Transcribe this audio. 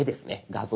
画像